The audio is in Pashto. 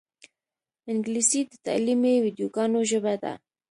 انګلیسي د تعلیمي ویدیوګانو ژبه ده